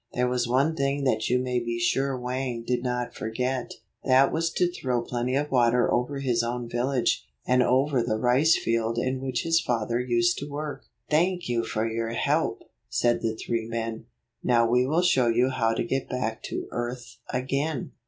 There was one thing that you may be sure 52 Wang did not forget. That was to throw plenty of water over his own village, and over the rice field in which his father used to work. "Thank you for your help," said the three men. " Now we will show you how to get back to earth again."